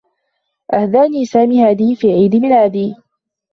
أهداني سامي هذه في عيد ميلادي.